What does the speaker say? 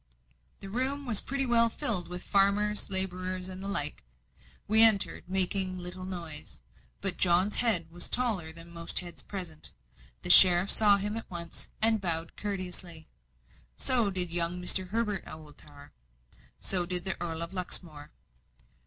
The room was pretty well filled with farmers' labourers and the like. We entered, making little noise; but John's head was taller than most heads present; the sheriff saw him at once, and bowed courteously. So did young Mr. Herbert Oldtower, so did the Earl of Luxmore.